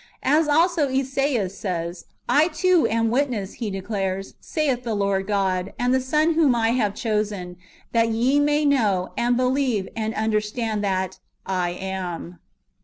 As also Esaias says, " I too am witness," he declares, " saith the Lord God, and the Son whom I have chosen, that ye may know, and believe, and understand that I am."